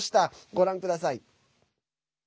ご覧ください。